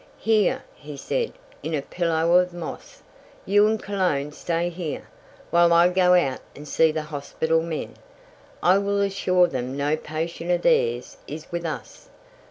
"Here," he said, "is a pillow of moss. You and Cologne stay here, while I go out and see the hospital men. I will assure them no patient of theirs is with us."